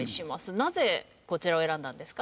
なぜこちらを選んだんですか？